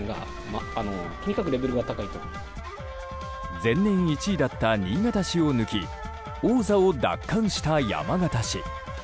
前年１位だった新潟市を抜き王座を奪還した山形市。